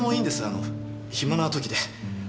あの暇な時で。